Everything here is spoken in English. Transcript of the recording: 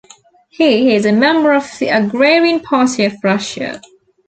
He is a member of the Agrarian Party of Russia.